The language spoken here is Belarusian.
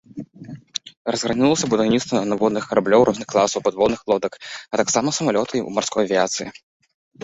Разгарнулася будаўніцтва надводных караблёў розных класаў, падводных лодак а таксама самалётаў марской авіяцыі.